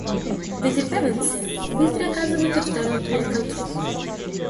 Дети Пэвенси быстро оказываются втянутыми в конфликт.